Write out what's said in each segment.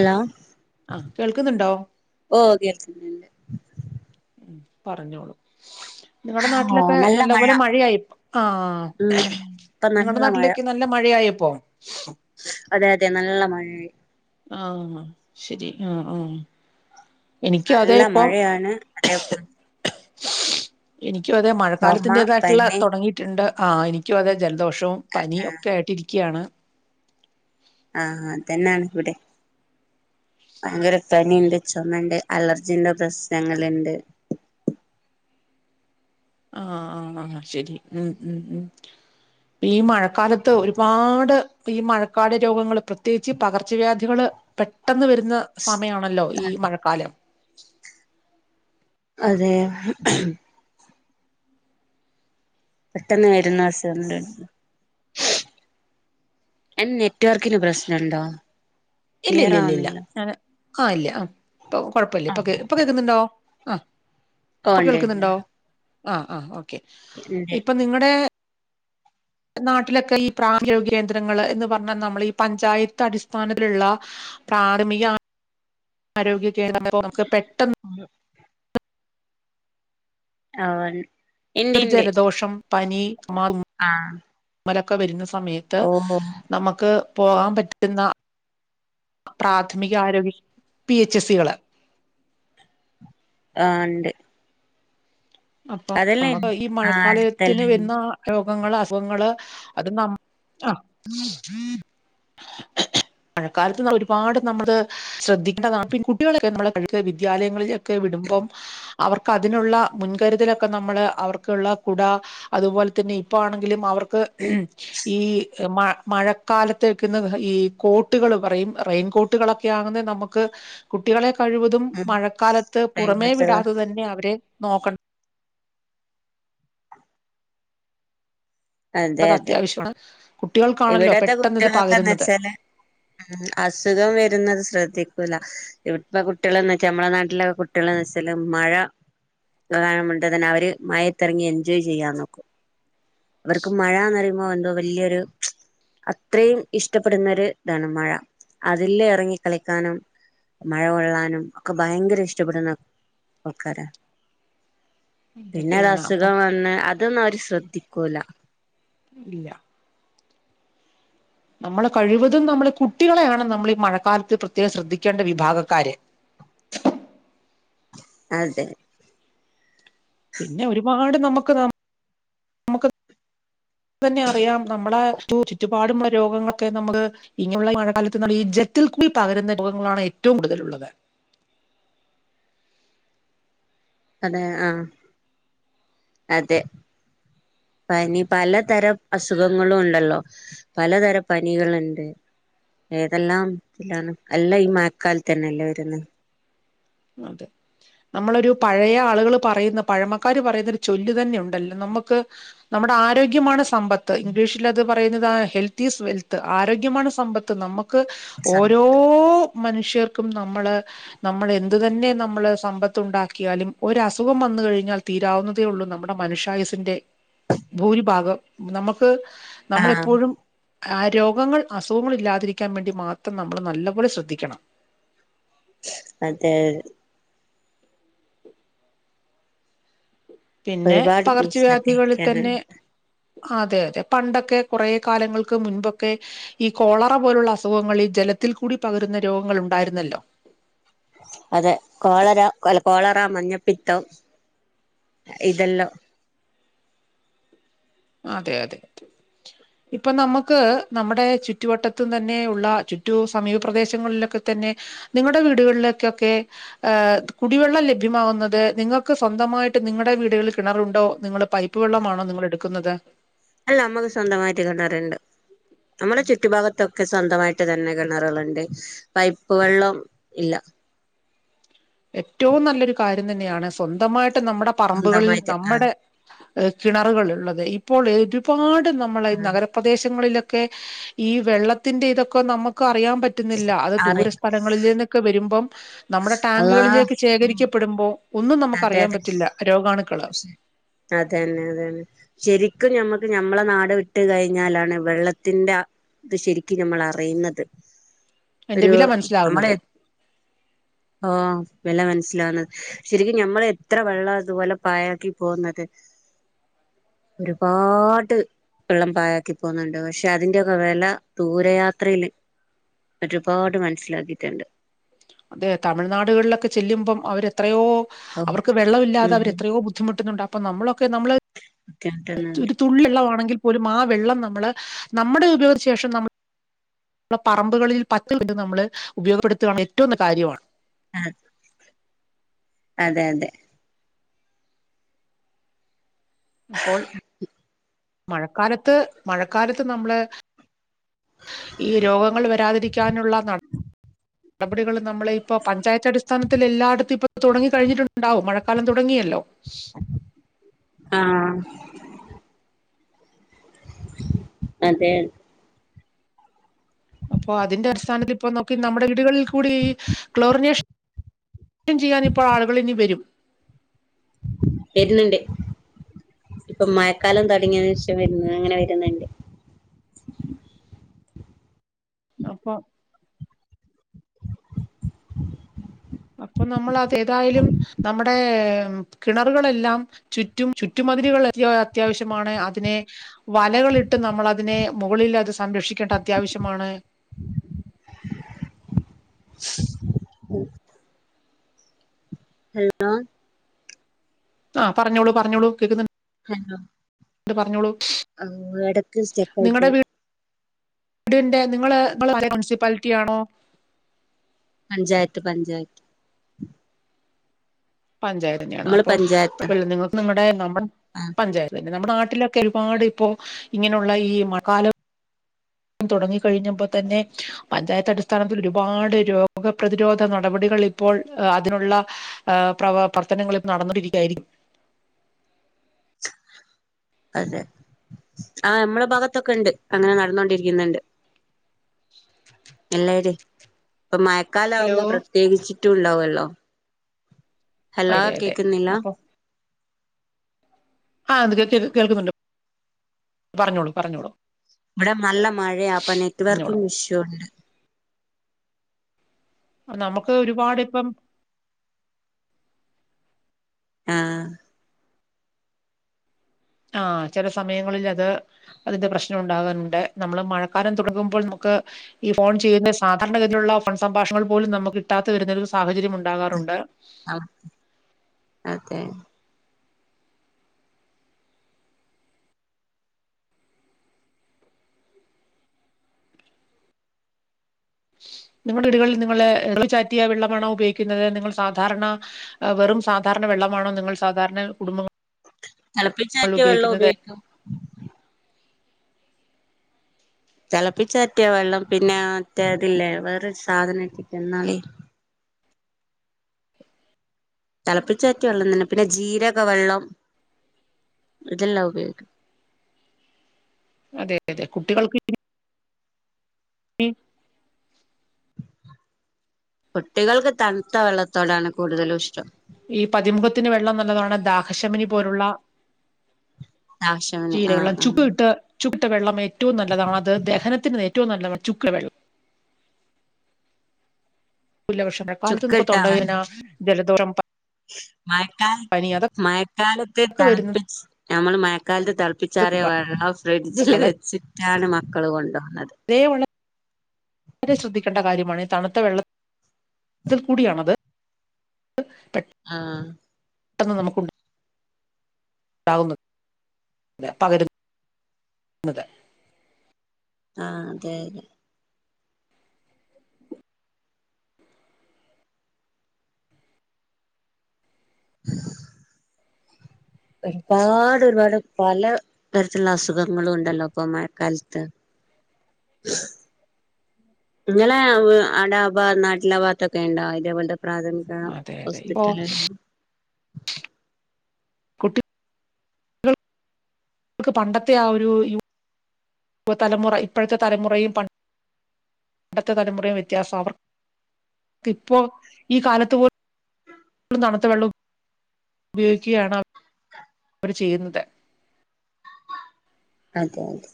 Hello കേൾക്കുന്നുണ്ടോ ഓ കേൾക്കുന്നുണ്ട് പറഞ്ഞോളു നിങ്ങളടെ ഓ നാട്ടിലൊക്കെ നല്ല മഴ നല്ലപോലെ മഴയായി ആ ഉം ഇപ്പൊ നിങ്ങളടെ നല്ല മഴ നാട്ടിലേക്കെനല്ല മഴയായപ്പോ അതെ അതെ നല്ല മഴയാ ആഹ ശരി ആഹ ആഹ നല്ല മഴയാണ് അതേ എനി ഇക്കും അതേ ചുമ മഴക്കാലത്തിന്റേതായിട്ടുള്ള പനി തുടങ്ങിയിട്ടുണ്ട് ആഹ എനിക്കും അതേ ജലദോഷം ഓം പനി അതാ ഒക്കെ ആയിട്ടിരിക്കാണ് ആഹ അതന്നെയാണ് ഇവിടെ ഭയങ്കര പനി ഉണ്ട് ചുമണ്ട് അലർജിന്റെ പ്രശ്നങ്ങള്ണ്ട് ആ ആ ശരി ഉം ഉം ഉ ഈ മഴക്കാലത്ത് ഒരുപാട് ഈ മഴക്കാല രോഗങ്ങള് പ്രത്യേകിച്ച് പകർച്ചവ്യാധികള് പെട്ടെന്ന് വരുന്ന സമയാണല്ലോ ഈ മഴക്കാലം അതെ പെട്ടെന്ന് വരുന്ന അസുഖം ഉണ്ട് എന്നെ ഇല്ല ക്ലിയർ ഇല്ല ഇല്ല ഇല്ല ആവുന്നില്ല ഞ ആഹ ഇല്ല ആഹ ഇപ്പൊ കൊഴപ്പില്ല ഇപ്പൊ ആഹ് ഇപ്പൊ കേൾക്കുന്നുണ്ടോ ആഹ് [unintelligible] ആ ആ ഓ ക്കെ ഉണ്ട് ഇപ്പൊ നിങ്ങടെ നാട്ടിലൊക്കെ ഈ പ്രായോഗ്യ കേന്ദ്രങ്ങള് എന്ന് പറഞ്ഞാ നമ്മള് ഈ പഞ്ചായത്ത് അടിസ്ഥാനലിള്ള പ്രാഥമിക ആരോഗ്യ [unintelligible] നമുക്ക് പെട്ടെന്ന് ആൻ ഒരു ജലദോഷം പനി [unintelligible] ആഹ് ഒക്കെ വരുന്ന സ സമയത്ത് ഓ നമുക്ക് പോകാൻ പറ്റുന്ന പ്രാഥമിക ആരോഗ്യ പി എച്ച് സികള് ആ ഇണ്ട് അപ്പം [unintelligible] ഈ ആഹ് മഴക്കാലത്തിന് അടുത്തല്ലേ വരുന്ന രോ- അസുഖങ്ങള് അസുഖങ്ങള് അത് ആഹ് മഴക്കാലത്ത് ഒരുപാട് നമ്മള് ശ്രദ്ധിക്കേണ്ടതാണ് കുട്ടികളൊക്കെ നമ്മള് വിദ്യാലയങ്ങളിലൊക്കെ വിടുമ്പം അവർക്ക് അതിനുള്ള മുൻ കരുതലൊക്കെ നമ്മള് അവർക്കുള്ള കുട, അതുപോലെ തന്നെ ഇപ്പ ആണെങ്കില് അവർക്ക് ഈ മ മഴക്കാലത്തേക്കുന്ന ഈ കോട്ടുകൾ പറയും, റെയിൻ കോട്ടുകളൊക്കെ ആകുന്നേ നമുക്ക്, കുട്ടികളെ കഴിവതും ഉം മഴക്കാലത്ത് പുറമേ തേങ്ങട്ടുള്ള വിടാതെ തന്നെ അവരെ നോക്ക അതെ അത് അതെ അത്യാവശ്യമാണ് കുട്ടികൾക്കാണല്ലോ ഇവിടത്തെ പെട്ടെന്ന് ഇത് പകരുന്നത് കുട്ടികളൊക്കെന്നച്ചാല് അസുഖം വരുന്നത് ശ്രദ്ധി- ഇപ്പ ഇവിടത്തെകുട്ടികൾന്ന് വെച്ചാൽ നമ്മളുടെ നാട്ടിലെ കുട്ടികൾന്ന് വെച്ചാല് മഴ കൊണ്ട് തന്നെ അവര് മഴത്തിറങ്ങി എൻജോയ് ചെയ്യാ നോക്കും അവർക്ക് മഴന്ന് പറയുമ്പോ എന്തോ വലിയൊരു അത്രയും ഇഷ്ടപ്പെടുന്ന ഒരു ഇതാണ് മഴ അതില് ഇറങ്ങി കളിക്കാനും മഴ കൊള്ളാനും ഒക്കെ ഭയങ്കര ഇഷ്ടപ്പെടുന്ന ആൾക്കാരാ പിന്നെ ഇതൊക്കെയാണ് അപ്പം അസുഖം വന്ന് അതൊന്നുംഅവര് ശ്ര തിക്കൂല ഇല്ല നമ്മൾ കഴിവതും നമ്മൾ കുട്ടികളെയാണ് നമ്മൾ ഈ മഴക്കാലത്ത് പ്രത്യേകം ശ്രദ്ധിക്കേണ്ട വിഭാഗക്കാര് അതെ പിന്നെ ഒരുപാട് നമ്മുക്ക് ന- അപ്പന്നെ അറിയാം നമ്മളെ ചുറ്റുപാടുമുള്ള രോഗങ്ങളൊക്കെ നമ്മള് ഇങ്ങനെയുള്ള മഴക്കാലത്ത് ന്ന് ജൽത്തിൽ കൂടി പകരുന്ന രോഗങ്ങളാണ് ഏറ്റവും കൂടുതലള്ളത് അതെ ആഹ അതെ പനി പലതരം അസുഖങ്ങളും ഉണ്ടല്ലോ പലതരം പനികളുണ്ട് ഏതെല്ലാം എല്ലാം ഈ മയക്കാലത്ത് തന്നെല്ലേ വരുന്നത് അതെ നമ്മളൊരു പഴയ ആളുകള് പറയുന്ന പഴമക്കാാര് പറയുന്ന ഒരു ചൊല്ലു തന്നെ ഉണ്ടല്ലോ നമുക്ക് നമ്മുടെ ആരോഗ്യമാണ് സ- സമ്പത്ത് ഇംഗ്ലീഷിൽ അത് പറയുന്നത് ഹെൽത്ത് ഈസ് വെൽത്ത് ആരോഗ്യമാണ് സമ്പത്ത് നമ്മു- ക്ക് ഓരോ മനുഷ്യർക്കും നമ്മള് നമ്മൾ എ അത് തന്നെ നമ്മള് സമ്പത്ത് ഉണ്ടാക്കിയാലും ഒരു അസുഖം വന്നു കഴിഞ്ഞാൽ തീരാവുന്നതേ ഉള്ളൂ നമ്മുടെ മനുഷ്യായുസിന്റെ ഭൂരിഭാഗം നമ്ക്ക് ആഹ് നമ്മളെപ്പോഴും ആ രോഗങ്ങൾ അസുഖങ്ങൾ ഇല്ലാതിരിക്കാൻ വേണ്ടി മാത്രം നമ്മൾ നല്ല പോോലെ ശ്രദ്ധിക്കണം അതെ പിന്നെ ഒരുപാട് പകർച്ചവ്യാധികളിൽ തന്നെ ശ്രദ്ധിക്കാനുണ്ട് അതെ അതെ പണ്ടൊക്കെ കുറ കാലങ്ങൾക്ക് മുൻപൊക്കെ ഈ കോളറ പോലുള്ള അസുഖങ്ങൾ ഈ ജലത്തിൽ കൂടി പകരുന്ന രോഗങ്ങൾ ഉണ്ടായിരുന്നല്ലോ അതെ കോളര അല്ല കോളറ മഞ്ഞപ്പിത്തം ഇതെല്ലാം അതെ അതെ ഇപ്പൊ നമുക്ക് നമ്മുടെ ചുറ്റുവട്ടത്തും തന്നെയുള്ള ചുറ്റു സമീപപദേശങ്ങളിലൊക്കെ തന്നെ നിങ്ങളുടെ വീടുകളിലേക്കൊക്കെ കുടിവെള്ളം ലഭ്യമാവുന്നത് നിങ്ങൾക്ക് സ്വന്തമായിട്ട് നിങ്ങളുടെ വീടുകളിൽ കിണറുണ്ടോ നിങ്ങൾ പൈപ്പ് വെള്ളമാണോ നിങ്ങൾ എടുക്ക- ക്കുന്നത് അല്ല ഞമ്മക്ക് സ്വന്തമായിട്ട് കെണറുണ്ട് നമ്മുടെ ചുറ്റുഭാഗത്തും ഒക്കെ സ്വന്തമായിട്ട് തന്നെ കിണറുകളുണ്ട് പൈപ്പ് വെള്ളം ഇല്ല ഏറ്റവും നല്ലൊരു കാര്യം തന്നെയാണ് സ്വന്തമായിട്ട് നമ്മുടെ പറമ്പുകളിൽ സ്വന്തമായിട്ട് ആഹ് നമ്മുടെ കിണറുകൾ ഉള്ളത് ഇപ്പോൾ പാട് നമ്മള ഈ ആഹ് നഗരപ്രദേശങ്ങളിലൊക്കെ [inaudible] ഈ വെള്ളത്തിന്റെ ഇതൊക്കെ നമുക്ക് അറിയാൻ പറ്റുന്നില്ല അത് അറി ദൂര സ്ഥലങ്ങളിൽ നിന്നൊക്കെ വരുമ്പം നമ്മുടെ [inaudible] അള്ളാ ബാങ്കുകളിലേക്ക് ശേഖരിക്കപ്പെടുമ്പോൾ ഒന്നും നമുക്ക് അതെ അറിയാൻ അതെ പറ്റില്ല രോഗാണു അതന്നെ അതന്നെ ശരിക്കും ഞമ്മക്ക് നമ്മളെ നാട് വിട്ട് കഴിഞ്ഞാലാണ് വെള്ളത്തിന്റെ ഇത് ശരിക്കും നമ്മൾ അറിയുന്നത് അതിന്റെ ഒരു വില നമ്മളെ മനസ്സിലാകുന്നത് വില മന മനസിലാവുന്നത് ശെരിക്കും നമ്മ എത്ര വെള്ളം അതുപോലെ പായക്കി പോകുന്നത് ഒരുപാട് വെള്ളം പായക്കി പോകുന്നുണ്ട് പക്ഷെ അതിന്റെറെ ഒക്കെ വില ദൂരയാത്രൽ ഒരുപാട് മനസ്സിലാക്കിട്ടുണ്ട് അതെ തമിഴ്നാടുകളിലൊക്കെ ചെല്ലുമ്പം അവര് ത്രയോ ഓ അവർക്ക് വെള്ളമില്ല ഉം അവരെത്രയോ ബുദ്ധിമുട്ടുന്നുണ്ടാവും. അപ്പ നമ്മള ക്കെ നമ്മൾ ഒരു തുള്ളിവ ള്ളവാണെങ്കിൽ ഒരു ആ വെള്ളം നമ്മള് നമ്മുടെ ഉപയോഗത്തി ശേഷം നമ്മൾ പറമ്പുകളിൽ പച്ച പ നമ്മൾ ഉപയോഗപ്പെടുത്തുകയാണ പറ്റുന്ന കാര്യമാണ് ആഹ അതെ അതെ അപ്പോൾ മഴക്കാലത്ത് മഴക്കാലത്ത് നമ്മള് ഈ രോഗങ്ങൾ വരാതിരിക്കാനുള്ള നട നടപടികൾ നമ്മൾ ഇപ്പോൊ പഞ്ചായത്ത് അടിസ്ഥാനത്തിൽ എല്ലായിടത്തും ഇപ്പൊ തുടങ്ങി കഴിഞ്ഞിട്ടുണ്ടാവും, മഴക്കാലം തുടങ്ങിയല്ലോ ആഹ അതെ അപ്പൊ അതിന്റെ അടിസ്ഥാനത്തി ഇപ്പൊ നോക്കി നമ്മുടെ വീടുകളിൽ കൂടി ക്ലോറിനേഷൻൻ ചെയ്യാൻ ഇപ്പോ ആളുകൾ ഇനി വരും. വരുന്നുണ്ട്. ഇപ്പൊ മഴക്കാലം തുട ങ്ങിയതിനുശേഷം വരുന്നത് അങ്ങനെ വരുന്നുണ്ട്. അപ്പൊ അപ്പൊ നമ്മൾ ഏതായാലും നമ്മുടെ കിണറുകളെല്ലാം ചുറ്റും ചുറ്റുമതിലകൾ അത്യാവശ്യമാണ് അതിനെ വലകളിട്ട് നമ്മളതിനെ മുകളിൽ അത് സംരക്ഷിക്ക ിക്കണ്ട അത്യാവശ്യമാണ് ഉ ഹലോ ആഹ പറഞ്ഞോളൂ പറഞ്ഞോളൂ കേൾക്കുന്നുണ്ട്. ഹ എ പറഞ്ഞോളൂ ആ എടക്ക് സ്റ്റെക്കായി നിങ്ങളുടെ പോയി വീടിന്റെ നിങ്ങള് മുൻസിപ്പാലിറ്റിയാ ണോ പഞ്ചായത്ത് പഞ്ചായത്ത് പഞ്ചായത്തിന്നെയാണ് നമ്മള് അപ്പൊ പഞ്ചായത്താ നിങ്ങൾക്ക് നിങ്ങളുടെ നമ്മുടെ ആഹ് പഞ്ചായത്ത് നമ്മുടെ നാട്ടിലൊക്കെ ഒരുപാട് ഇപ്പോ ഇങ്ങനെയുള്ള ഈ മഴക്കാലം തുടങ്ങി കഴിഞ്ഞപ്പോ തന്നെ പഞ്ചായത്ത് അടിസ്ഥാനത്തിൽ ഒരുപാട് രോഗപ്രതിരോധ നടപടികൾ ഇപ്പോൾ അതിനുള്ള ഏഹ് പ്ര പ്രർത്തനങ്ങൾ ഇപ്പോ നടന്നോണ്ടിരിക്കുകയായിരിക്കും അതെ ആ മ്മടെ ഭാഗത്ത് ത്തൊക്കെ ഉണ്ട് അങ്ങനെ നടന്നോണ്ടിരിക്കുന്നുണ്ട് പിള്ളേര് ഇപ്പൊ ഹലോ മയക്കാലാവുമ്പോ പ്രത്യേകിച്ചിട്ടും ഉണ്ടാവുമല്ലോ ഹലോ അതെ അതെ കേക്കുന്നില്ല ആഹ് ത് കേ കേ കേൾക്കുന്നുണ്ട് പറഞ്ഞോളൂ പറഞ്ഞോളൂ ഇവിടെ നല്ല മഴയാ അപ്പൊ നെറ്റ് പറഞ്ഞോളൂ വർക്കിങ് ഇഷ്യൂ ഉണ്ട് റഞ്ഞോ നമുക്ക് ഒരുപാട് ഇപ്പം ആ ആഹ് ആ ചില സമയങ്ങളിൽ അത് അതിന്റെ പ്രശ്നം ഉണ്ടാകറുണ്ട് നമ്മള് മഴക്കാലം തുടങ്ങുമ്പോൾ നമുക്ക് ഈ ഫോൺ ചെയ്യുന്ന സാധാരണ ഗതിയിലുള്ള ഫോൺ സംഭാഷണങ്ങൾ പോലും നമുക്ക് കിട്ടാതെ വരുന്നൊരു സാഹചര്യം ഉണ്ടാകാറുണ്ട് ആ അതെ നിങ്ങളുടെ വീടുകളിൽ നിങ്ങള് തിളപ്പിച്ചാറ്റിയ വെള്ളമാണോ ഉപയോഗിക്കുന്നത് നിങ്ങൾ സാധാരണ വെറും സാധാരണ വെള്ളമാണോ നിങ്ങൾ സാധാരണ കുടുംബങ്ങൾ തിളപ്പിച്ചാറ്റിയ വെള്ളം ഉപയോഗിക്കുന്നത് ഉപയോഗിക്കും തിളപ്പിച്ചാറ്റിയ വെള്ളം പിന്നെ മറ്റേ ഇതില്ലേ വേറൊരു സാധനം ഇട്ടിറ്റ് എന്നാളി തിളപ്പിച്ചാറ്റിയ വെള്ളം തന്നെ പിന്നെ ജീരക വെള്ളം ഇതെല്ലാം ഉപയോഗിക്കും അതെ അതെ കുട്ടികൾക്ക് കുട്ടികൾക്ക് തണുത്ത വെള്ളത്തോടാണ് കൂടുതലും ഇഷ്ടം ഷമിനി പോലുള്ള ആശാന് ജീരക ആഹ് വെള്ളം ആഹ് ചുക്കിട്ട് ചുക് ട്ട് വെള്ളമേറ്റ ഏറ്റവും നല്ലതാ അത് ദഹനത്തിന് നേ ഏറ്റവും നല്ലതാ ചുക്കുവെള്ള പ്പുല്ല പക്ഷേ മഴക്കാലത്ത് നമുക്ക് ചുക്കിട്ടാ തൊണ്ടവേദന വെള്ളം ജല [unintelligible] മഴക്കാല മഴക്കാലത്ത് ഒക്കെ വരുന്നത് തണുപ്പിച്ച് ഞമ്മള് മഴ ക്കാലത്ത് തെളപ്പിച്ചാറിയവെളളം ഫ്രിഡ്ജില് വെച്ചിട്ട് യാന മക്കൾ കൊണ്ടോ ഇതേ [unintelligible] ശ്രദ്ധിക്കേണ്ട കാര്യമാണ് തണുത്ത വെള്ളത്തിൽ കൂടിയാണത് ആ ആഹ് പെട്ടെന്ന് നമുക്കുണ്ട് ഉണ്ടാവുന്നത് പകരുന്നത് ങാ അതെ അതെ ഒരുപാട് ഒരുപാട് പല തരത്തിലുള്ള അസുഖങ്ങളും ഉണ്ടല്ലോ ഇപ്പൊ മഴക്കാലത്ത് നിങ്ങളെ ആടാ ഭാ നാട്ടിലാഭാത്തൊക്കെ ഉണ്ടാ ഇതേപോലെ പ്രാഥമിക അതെ അതെ ഇപ്പോ ഹോസ്പിറ്റലിൽ നക്ക് പണ്ടത്തെ ആ ഒരു യുവ തലമുറ ഇപ്പോഴത്തെ തലമുറയും അടുത്ത തലമുറയും വ്യത്യാസം അവർ ഇപ്പോൾ ഈ കാലത്ത് പോലും തണുത്ത വെള്ളം ഉപയോഗിക്കുകയാണ് അവര് ചെയ്യുന്നത് അതെ അതെ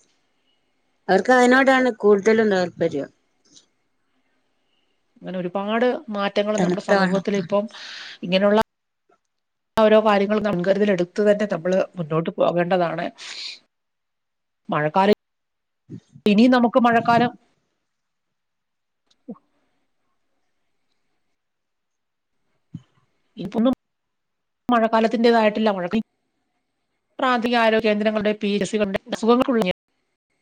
അവർക്ക് അതിനോടാണ് കൂടുതലും താത്പര്യം അങ്ങനെ ഒരുപാട് മാറ്റങ്ങള് നമ്മുടെ തണുത്ത വെള്ളത്തോ സമൂഹത്തിലിപ്പം ഇങ്ങനെയുള്ള ഓരോ കാര്യങ്ങളും നൻകരുതലെടുത്തു തന്നെ നമ്മള് മുന്നോട്ട് പോകേണ്ടതാണ് മഴക്കാല ഇനി നമുക്ക് മഴക്കാലം ഇപ്പൊന്നും മഴക്കാലത്തിൻറതായിട്ടില്ല മഴ പ്രാഥിക ആരോഗ്യ കേന്ദ്രങ്ങളുടെ പി എസ് സികളുടെ അസുഖങ്ങൾക്കുളഞ്ഞ